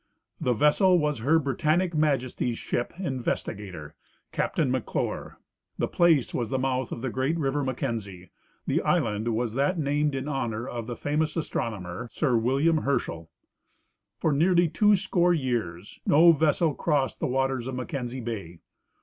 "The vessel was Her Britannic Majesty's ship Investigator, Captain McClure ; the place was the mouth of the great river Mackenzie ; the island was that named in honor of the famous astronomer, Sir William Herschel. "For nearly two score years no vessel crossed the waters of Mackenzie bay.